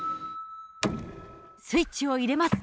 スイッチを入れます。